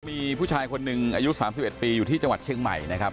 มีผู้ชายคนหนึ่งอายุ๓๑ปีอยู่ที่จังหวัดเชียงใหม่นะครับ